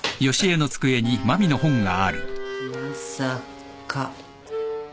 まさか。